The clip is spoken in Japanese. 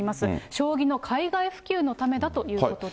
将棋の海外普及のためだということです。